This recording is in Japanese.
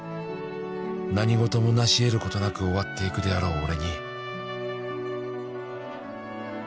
「何事もなし得ることなく終わっていくであろう俺に」